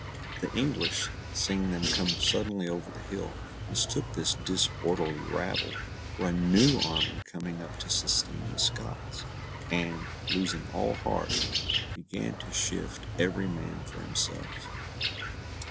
The English, seeing them come suddenly over the hill, mistook this disorderly rabble for a new army coming up to sustain the Scots, and, losing all heart, began to shift every man for himself.